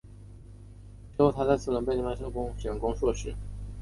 之后她在斯伦贝谢有限公司位于土库曼斯坦的分公司工作了两年后选攻硕士。